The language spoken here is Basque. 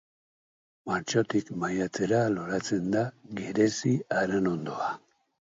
Martxotik maiatzera loratzen da gerezi-aranondoa.